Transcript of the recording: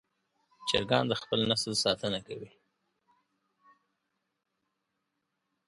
چرګان د خپل نسل ساتنه کوي.